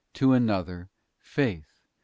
to another faith,. ..